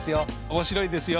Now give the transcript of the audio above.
面白いですよ